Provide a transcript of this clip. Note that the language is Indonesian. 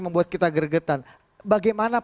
membuat kita gregetan bagaimana